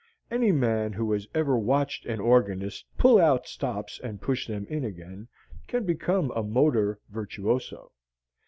Any man who has ever watched an organist pull out stops and push them in again can become a motor virtuoso.